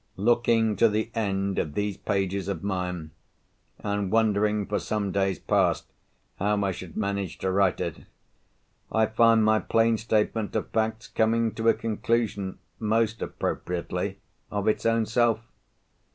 Looking to the end of these pages of mine, and wondering for some days past how I should manage to write it, I find my plain statement of facts coming to a conclusion, most appropriately, of its own self.